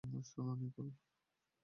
শোনো, নিকোল!